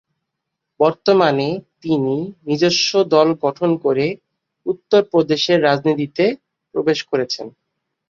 বর্তমানে তিনি নিজস্ব দল গঠন করে উত্তরপ্রদেশের রাজনীতিতে প্রবেশ করেছেন।